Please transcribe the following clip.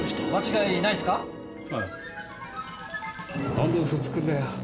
なんでウソつくんだよ！